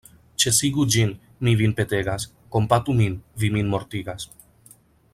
Ĉesigu ĝin, mi vin petegas; kompatu min; vi min mortigas.